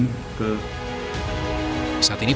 saat ini pelaku ditangkap di rumahnya tersenama agusta mie